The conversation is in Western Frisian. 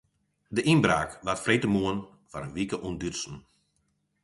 De ynbraak waard freedtemoarn foar in wike ûntdutsen.